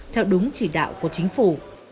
theo đúng chỉ đạo của chính phủ